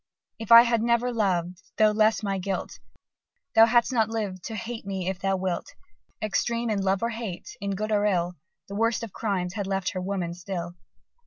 If I had never loved, though less my guilt, Thou hadst not lived to hate me if thou wilt." Extreme in love or hate, in good or ill, The worst of crimes had left her woman still!